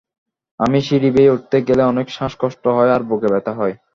আমি সিঁড়ি বেয়ে উঠতে গেলে অনেক শ্বাস কষ্ট হয় আর বুকে ব্যথা হয়।